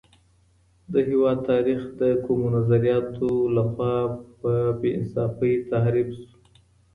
د هېواد تاریخ د کومو نظریاتو له خوا په بې انصافۍ تحریف سو؟